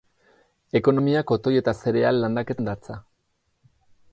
Ekonomia kotoi eta zereal landaketan datza.